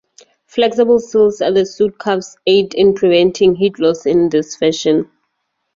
Flexible seals at the suit cuffs aid in preventing heat loss in this fashion.